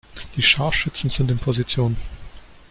Die Scharfschützen sind in Position.